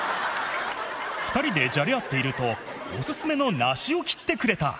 ２人でじゃれ合っていると、お勧めの梨を切ってくれた。